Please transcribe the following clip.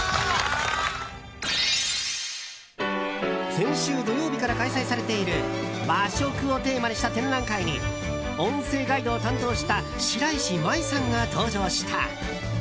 先週土曜日から開催されている和食をテーマにした展覧会に音声ガイドを担当した白石麻衣さんが登場した。